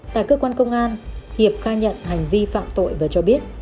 tại cơ quan công an hiệp khai nhận hành vi phạm tội và cho biết